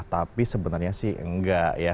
tapi sebenarnya sih enggak ya